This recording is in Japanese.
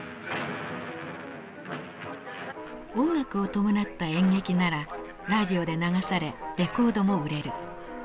音楽を伴った演劇ならラジオで流されレコードも売れる。